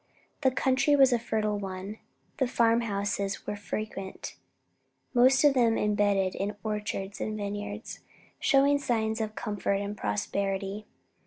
The country was a fertile one, the farmhouses were frequent, most of them embedded in orchards and vineyards, showing signs of comfort and prosperity.